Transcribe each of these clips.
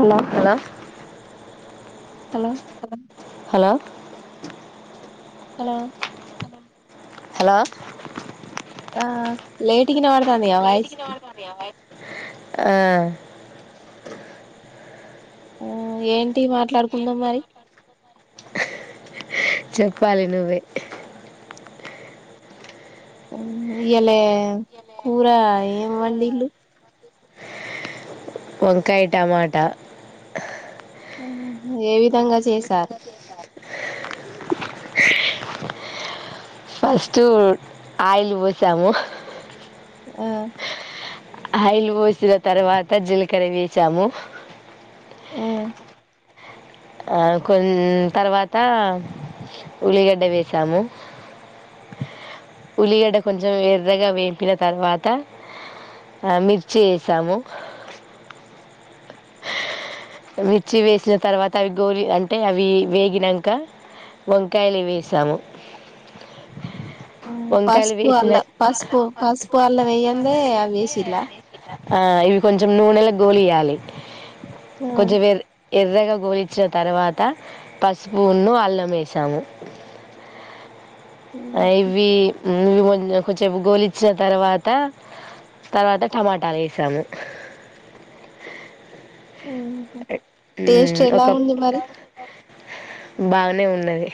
అలక hello అ hello hello hello ఆ light గా ఇనపడతా లేట్ గ వినబడ్తండిగా వాయిస్ ఆ ఆ ఏం మాట్లాడుకుందాం మరి పాలనువే ఇయాల కూర ఏం వండిండు వంకాయ టమాటా ఏ విధంగా చేశారు ఫస్ట్ ఆయిలు పోసాము ఆ అయిలు పోసిన తర్వాత జీలకర వేసాము ఆ కొ తర్వాత ఉల్లిగడ్డ వేసాము, ఉల్లిగడ్డ కొంచెం ఎర్రగా వేంపిన తర్వాత మిర్చి వేసాము మిర్చి వేసిన తర్వాత అవి గోలి అంటే అవి వేగినాక వంకాయలు వేసాము వంకాయలు పసుపు వేసిన అల్ల పసుపు పసుపు అల్లం వెయ్యందే అ వేసిలా ఆ ఇవి కొంచెం నూనెల గోలు ఇయాలి ఆ కొంచెంవే ఎర్రగా గోలిచ్చిన తర్వాత పసుపున్ను అల్లం వేసాము అ ఇవి ఇవి కొంచెపు గోలిచ్చిన తర్వాత తర్వాత టమాటాలు వేసాము ఉహు టేస్ట్ ఎలా ఉంది మరి బాగనే ఉన్నది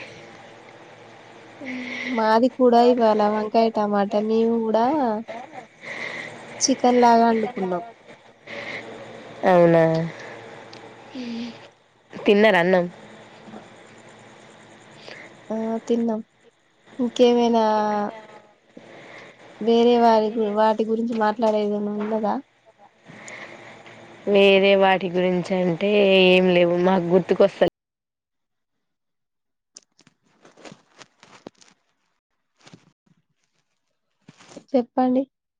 మాది కూడా ఇవాళ వంకాయ టమాట మేము కూడా, చికెన్ లాగా వండుకున్నాం. అవునా మ్ తిన్నర అన్నం ఆ తిన్నాం ఇంకేమైనా వేరే వారి గు వాటి గురించి మాట్లాడేదనా ఉన్నదా వేరే వాటి గురించి అంటే ఏం లేవు మాకు గుర్తుకు వస్తలే చెప్పండి